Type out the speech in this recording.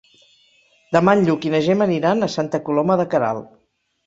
Demà en Lluc i na Gemma aniran a Santa Coloma de Queralt.